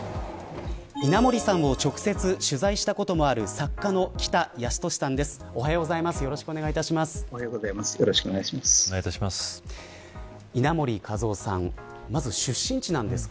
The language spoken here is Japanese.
稲盛さんを直接取材したこともある作家の北康利さんです。